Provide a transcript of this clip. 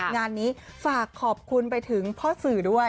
งานนี้ฝากขอบคุณไปถึงพ่อสื่อด้วย